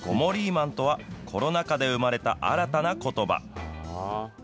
マンとは、コロナ禍で生まれた新たなことば。